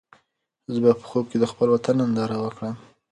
زه به په خوب کې د خپل وطن ننداره وکړم.